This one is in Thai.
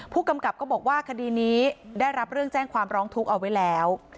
ผู้กำกับก็บอกว่าคดีนี้ได้รับเรื่องแจ้งความร้องทุกข์เอาไว้แล้ว